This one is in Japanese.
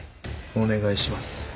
お願いします。